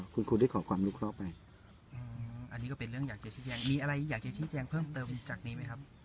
คุณครูได้ขอความรู้เคราะห์ไหมอันนี้ก็เป็นเรื่องอยากจะชี้แจงมีอะไรอยากจะชี้แจงเพิ่มเติมจากนี้ไหมครับ